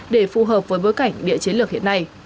để phù hợp với bối cảnh địa chiến lược hiện nay